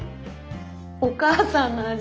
お母さんの味。